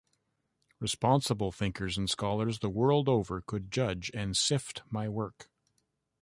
Responsible thinkers and scholars the world over could judge and sift my work.